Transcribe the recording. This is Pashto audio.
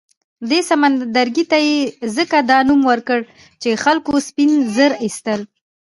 دې سمندرګي ته یې ځکه دا نوم ورکړ چې خلکو سپین زر اېستل.